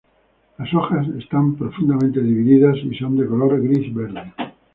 Las hojas están profundamente divididas y son de color gris-verde.